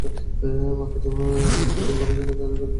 মাকে যেমন বিক্রি করা যায় না, তাঁদের কাছে ভূমিও তেমনি বিক্রয়যোগ্য নয়।